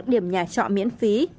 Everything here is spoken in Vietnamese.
những điểm nhà trọ miễn phí